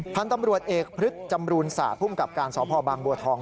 พันธุ์ตำรวจเอกพฤษจำรูนศาสตร์ภูมิกับการสพบางบัวทอง